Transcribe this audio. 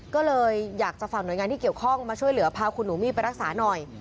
ก็เลยอยากจะฝากหน่วยงานที่เกี่ยวข้องมาช่วยเหลือพาคุณหนูมี่ไปรักษาหน่อย